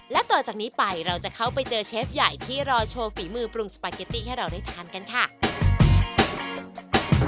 และต่อจากนี้ไปเราจะเข้าไปเจอเชฟใหญ่ที่รอโชว์ฝีมือปรุงสปาเกตตี้ให้เราได้ทานกันค่ะ